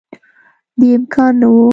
دې امکان نه وو